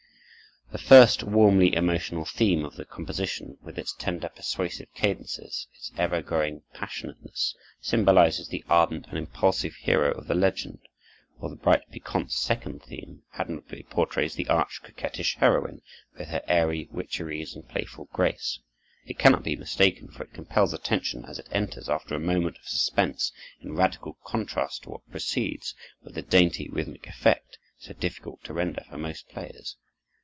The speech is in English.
The first warmly emotional theme of the composition, with its tender, persuasive cadences, its ever growing passionateness, symbolizes the ardent and impulsive hero of the legend; while the bright, piquant second theme admirably portrays the arch, coquettish heroine, with her airy witcheries and playful grace. It cannot be mistaken, for it compels attention as it enters, after a moment of suspense, in radical contrast to what precedes, with the dainty rhythmic effect, so difficult to render for most players.